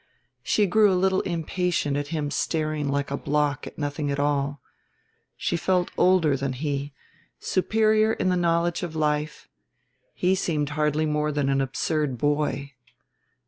She grew a little impatient at him staring like a block at nothing at all; she felt older than he, superior in the knowledge of life; he seemed hardly more than an absurd boy.